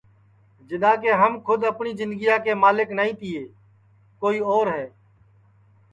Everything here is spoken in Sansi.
جِدؔا کہ ہم کھود اپٹؔی جِندگیا کے ملک نائی تیے کوئی اور ہے